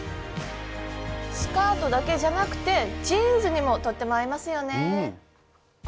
スカートだけじゃなくてジーンズにもとっても合いますよね。